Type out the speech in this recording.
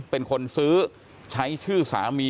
เป็นคนซื้อใช้ชื่อสามี